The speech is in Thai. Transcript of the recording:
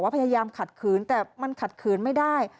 พยายามขัดขืนแต่มันขัดขืนไม่ได้